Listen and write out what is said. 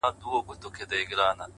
د زړه سکون له رښتینولۍ راځي